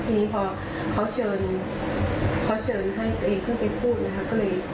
ทีนี้พอเขาเชิญให้ตัวเองเพิ่งไปพูด